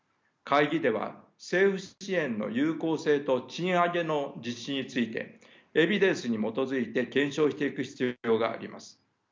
会議では政府支援の有効性と賃上げの実施についてエビデンスに基づいて検証していく必要があります。